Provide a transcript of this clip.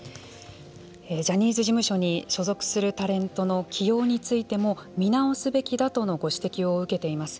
ジャニーズ事務所に所属するタレントの起用についても見直すべきだとのご指摘を受けています。